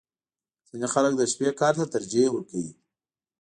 • ځینې خلک د شپې کار ته ترجیح ورکوي.